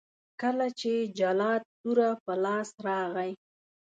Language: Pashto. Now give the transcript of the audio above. کله چې جلات توره په لاس راغی.